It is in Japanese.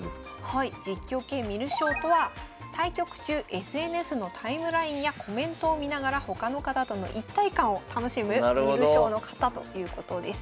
はい実況系観る将とは対局中ＳＮＳのタイムラインやコメントを見ながら他の方との一体感を楽しむ観る将の方ということです。